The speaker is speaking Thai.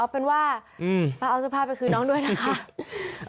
เป็นว่าป้าเอาเสื้อผ้าไปคืนน้องด้วยนะคะ